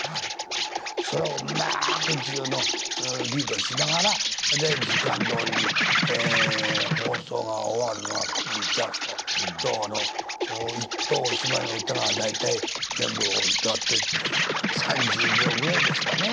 それをうまくっちゅうのをリードしながらで時間どおりにえ放送が終わるのは９時ジャストだからいっとうお芝居の歌が大体全部を歌って３０秒ぐらいですかね。